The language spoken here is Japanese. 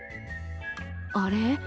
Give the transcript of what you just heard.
あれ？